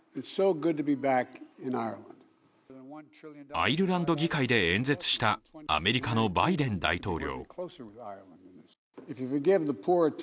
アイルランド議会で演説したアメリカのバイデン大統領。